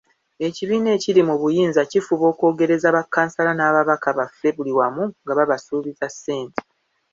Ekibiina ekiri mu buyinza kifuba okwogereza bakkansala n'ababaka baffe buli wamu nga babasuubiza ssente.